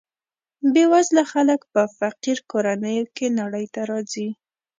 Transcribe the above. بې وزله خلک په فقیر کورنیو کې نړۍ ته راځي.